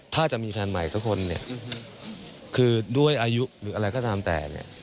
ถ้าจะมีแฟนใหม่สักคนเนี่ยคือด้วยอายุหรืออะไรก็ตามแต่เนี่ย